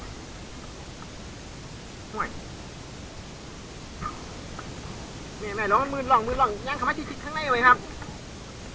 มีไม่รอบมืดหรอกยังขาดที่ทิศข้างในเลยครับ